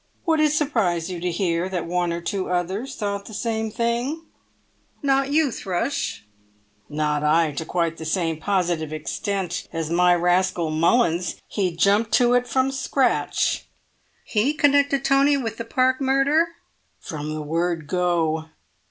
"Would it surprise you to hear that one or two others thought the same thing?" "Not you, Thrush?" "Not I to quite the same positive extent as my rascal Mullins. He jumped to it from scratch!" "He connected Tony with the Park murder?" "From the word 'go.